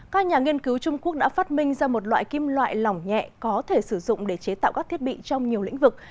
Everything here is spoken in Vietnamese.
các nhà nghiên cứu trung quốc đã phát minh ra một loại kim loại lỏng nhẹ có thể sử dụng để chế tạo các thiết bị trong nhiều lĩnh vực